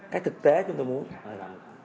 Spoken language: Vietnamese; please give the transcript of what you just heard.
cái thực tế chúng tôi muốn